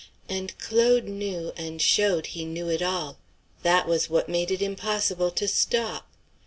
And Claude knew, and showed he knew it all; that was what made it impossible to stop.